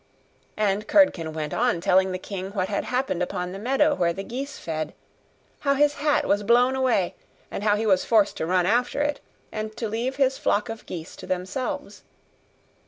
And Curdken went on telling the king what had happened upon the meadow where the geese fed; how his hat was blown away; and how he was forced to run after it, and to leave his flock of geese to themselves.